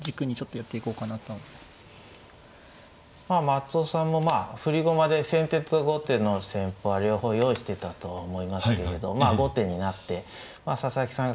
松尾さんも振り駒で先手と後手の戦法は両方用意してたとは思いますけれどまあ後手になって佐々木さん